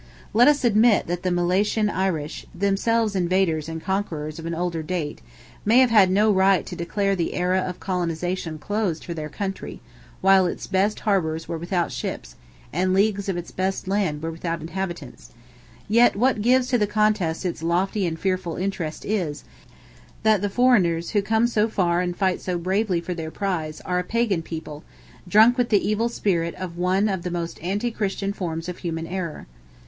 Let us admit that the Milesian Irish, themselves invaders and conquerors of an older date, may have had no right to declare the era of colonization closed for their country, while its best harbours were without ships, and leagues of its best land were without inhabitants; yet what gives to the contest its lofty and fearful interest, is, that the foreigners who come so far and fight so bravely for the prize, are a Pagan people, drunk with the evil spirit of one of the most anti Christian forms of human error.